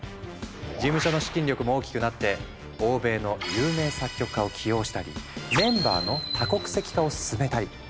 事務所の資金力も大きくなって欧米の有名作曲家を起用したりメンバーの多国籍化を進めたり。